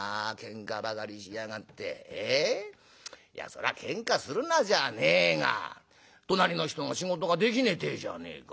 そりゃケンカするなじゃねえが隣の人が仕事ができねえってえじゃねえか。